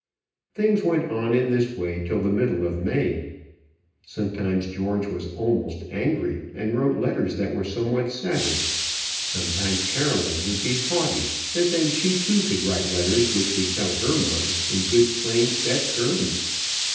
Things went on in this way till the middle of May. Sometimes George was almost angry, and wrote letters that were somewhat savage; sometimes Caroline would be haughty, and then she too could write letters which would tell her mind in good plain set terms.